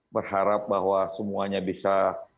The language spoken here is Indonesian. berharap bahwa semuanya bisa